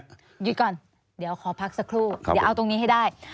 หยุดก่อนเดี๋ยวขอพักสักครู่เดี๋ยวเอาตรงนี้ให้ได้